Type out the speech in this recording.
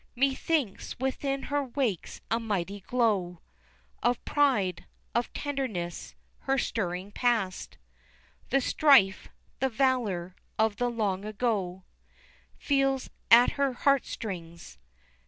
Methinks within her wakes a mighty glow Of pride, of tenderness her stirring past The strife, the valor, of the long ago Feels at her heartstrings.